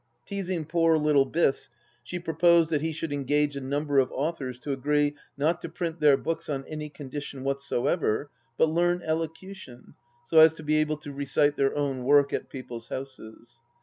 ..." Teasing poor little Biss, she proposed that he should engage a number of authors to agree not to print their books on any condition whatsoever, but learn elocution, so as to be able to recite their own work at people's houses.